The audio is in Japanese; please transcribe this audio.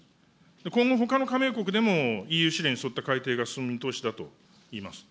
このほかの加盟国でも、ＥＵ指令に沿った改定が進む見通しだといいます。